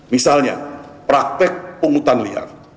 misalnya praktek pungutan liar